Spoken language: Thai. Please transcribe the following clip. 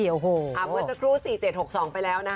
เมื่อสักครู่๔๗๖๒ไปแล้วนะคะ